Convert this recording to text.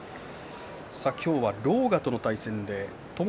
今日は狼雅との対戦です。